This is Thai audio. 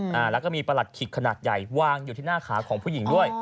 อ่าแล้วก็มีประหลัดขิกขนาดใหญ่วางอยู่ที่หน้าขาของผู้หญิงด้วย